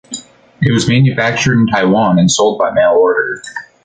It was manufactured in Taiwan and sold by mail-order.